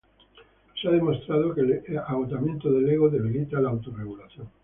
Se ha demostrado que el agotamiento del ego debilita la autorregulación.